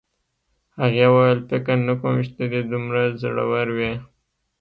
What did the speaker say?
هغې وویل فکر نه کوم چې ته دې دومره زړور وې